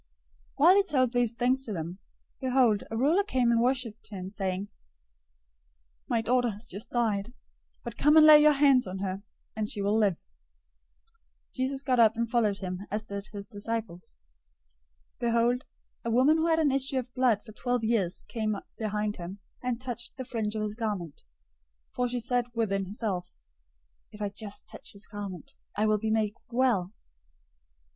009:018 While he told these things to them, behold, a ruler came and worshiped him, saying, "My daughter has just died, but come and lay your hand on her, and she will live." 009:019 Jesus got up and followed him, as did his disciples. 009:020 Behold, a woman who had an issue of blood for twelve years came behind him, and touched the fringe{or, tassel} of his garment; 009:021 for she said within herself, "If I just touch his garment, I will be made well."